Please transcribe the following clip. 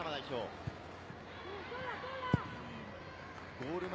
ゴール前。